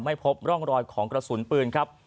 พบร่องรอยของกระสุนปืนครับ